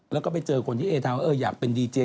แล้วก็ไปเจอคนที่เอทาว่าอยากเป็นดีเจ